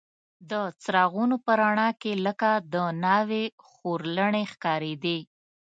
د څراغونو په رڼا کې لکه د ناوې خورلڼې ښکارېدې.